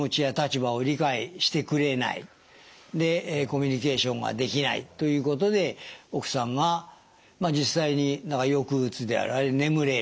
でコミュニケーションができないということで奥さんが実際に抑うつである眠れない無気力。